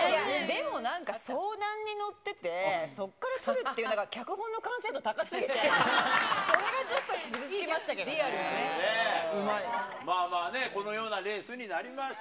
でも相談に乗ってて、そっからとるっていうのが脚本の完成度高すぎて、それがちょっとまあまあね、このようなレースになりました。